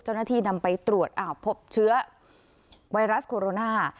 เจ้าหน้าที่นำไปตรวจอ้าวพบเชื้อไวรัสโคโรนา